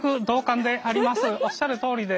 おっしゃるとおりで。